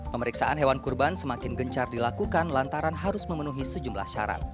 pemeriksaan hewan kurban semakin gencar dilakukan lantaran harus memenuhi sejumlah syarat